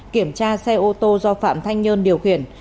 kiểm tra xe ô tô do phạm thanh nhơn điều khiển